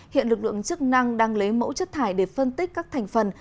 hiện lực lượng chức năng đang lấy mẫu chất thải để phân tích các thành phần